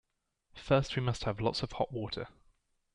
First we must have lots of hot water.